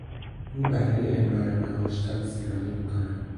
او برای امرار معاش تاکسیرانی میکند.